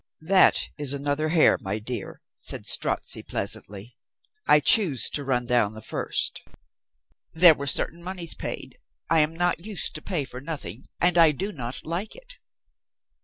"That is another hare, my dear," said Strozzi pleasantly. "I choose to run down the first. There were certain moneys paid. I am not used to pay for nothing and I do not like it.